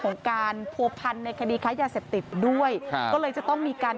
ของการผัวพันในคดีค้ายาเสพติดด้วยก็เลยจะต้องมีการ